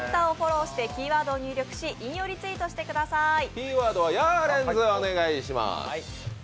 キーワードはヤーレンズお願いします。